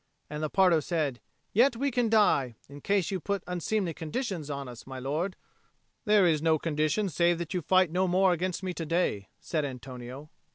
And Lepardo said, "Yet we can die, in case you put unseemly conditions on us, my lord." "There is no condition save that you fight no more against me to day," said Antonio.